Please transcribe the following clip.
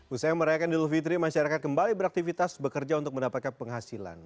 usaha merayakan di lufitri masyarakat kembali beraktivitas bekerja untuk mendapatkan penghasilan